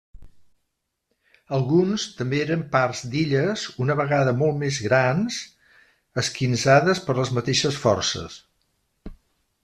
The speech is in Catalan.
Alguns també eren parts d'illes una vegada molt més grans esquinçades per les mateixes forces.